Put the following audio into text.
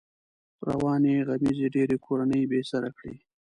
روانې غمېزې ډېری کورنۍ بې سره کړې.